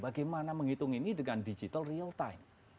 bagaimana menghitung ini dengan digital real time